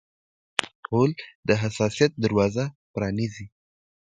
غول د حساسیت دروازه پرانیزي.